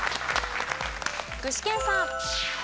具志堅さん。